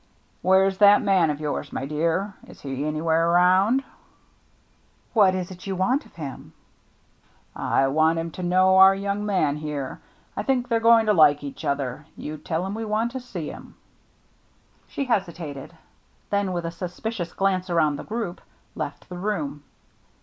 " Where's that man of yours, my dear ? Is he anywhere around ?"" What is it you want of him ?"" I want him to know our young man here. I think they're going to like each other. You tell him we want to see him." She hesitated ; then with a suspicious glance around the group left the room.